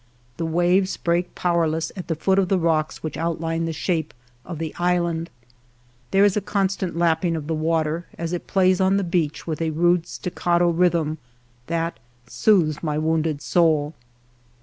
The waves break powerless at the foot of the rocks which outline the shape of the island. There is a constant lap ping of the water, as it plays on the beach with a rude staccato rhythm that soothes my wounded soul.